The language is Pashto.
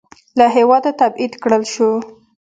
له هېواده تبعید کړل شو.